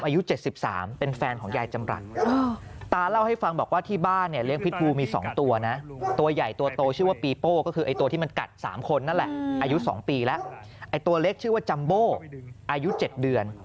อยู่สองปีแล้วตัวเล็กชื่อว่าเจ้มโบ้อายุเจ็ดเดือน